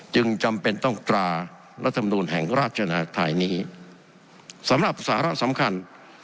จึงจำเป็นต้องตรารัฐมนูลแห่งราชนาธัยนี้สำหรับสาระสำคัญ